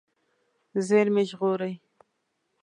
زېرمې ژغورئ.